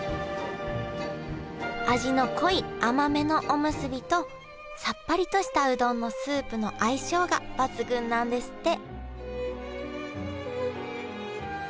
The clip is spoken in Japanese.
味の濃い甘めのおむすびとさっぱりとしたうどんのスープの相性が抜群なんですって